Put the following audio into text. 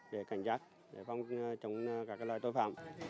để cảnh giác để phong trong các loại tội phạm